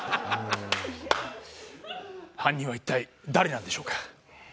犯人は一体誰なんでしょうか？